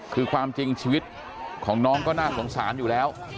คือความจริงชีวิตของน้องก็น่าสงสารอยู่แล้ว